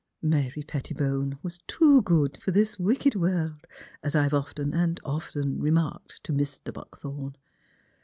Mary Pettibone was too good for this wicked world, as I've often and often remarked to Mr. Buckthorn."